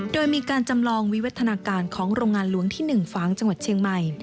โดยมีการจำลองวิวัฒนาการของโรงงานหลวงที่๑ฝางจังหวัดเชียงใหม่